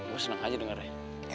gue seneng aja dengarnya